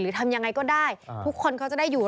ทำยังไงก็ได้ทุกคนเขาจะได้อยู่